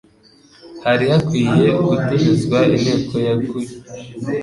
Hari hakwiye gutumizwa inteko yaguye